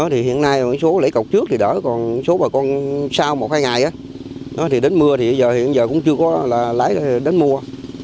hiện nay số lấy cọc trước thì đỡ còn số bà con sau một hai ngày đến mưa thì hiện giờ cũng chưa có lái đến mùa